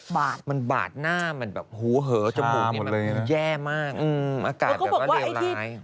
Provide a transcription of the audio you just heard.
บาดมันบาดหน้าหูเผลอจมูกนี่มันแย่มากอากาศแบบเร็วร้ายมันก็บอกว่าไอ้ที่